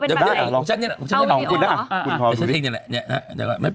วิดีโอขอให้ด้วยไหม